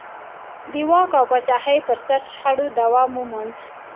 د واک او پاچاهۍ پر سر شخړو دوام وموند.